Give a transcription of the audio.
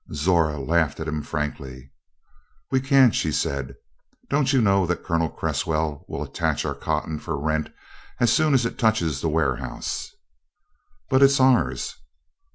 Zora laughed at him frankly. "We can't," she said. "Don't you know that Colonel Cresswell will attach our cotton for rent as soon as it touches the warehouse?" "But it's ours."